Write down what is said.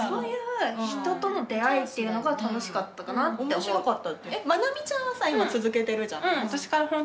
面白かった。